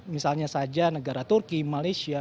misalnya saja negara turki malaysia